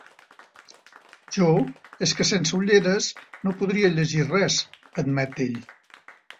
Jo, és que sense ulleres, no podria llegir res —admet ell.